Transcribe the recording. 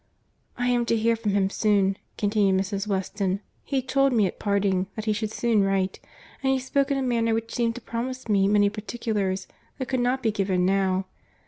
"I am to hear from him soon," continued Mrs. Weston. "He told me at parting, that he should soon write; and he spoke in a manner which seemed to promise me many particulars that could not be given now.